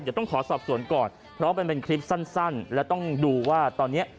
ซึ่งขอสอบส่วนก่อนเพราะว่าเป็นคลิปสั้นและต้องดูว่าตอนนี้